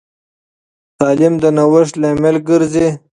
تعلیم د نوښت لامل ګرځي.